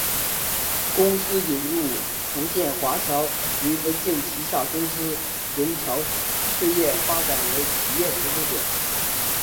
公司引入福建华侨林文镜旗下公司融侨实业发展为企业投资者。